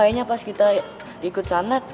ternyata pas kita ikut shanat